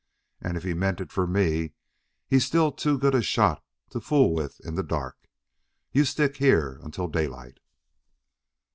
And if he meant it for me, he's still too good a shot to fool with in the dark. You stick here until daylight."